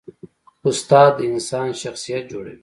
استاد د انسان شخصیت جوړوي.